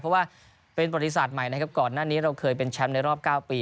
เพราะว่าเป็นบริษัทใหม่ก่อนหน้านี้เราเคยเป็นแชมป์ในรอบ๙ปี